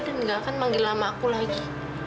dan gak akan manggil lama aku lagi